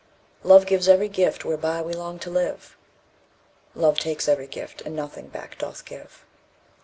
Love gives every gift whereby we long to live "Love takes every gift, and nothing back doth give."